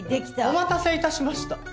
お待たせ致しました。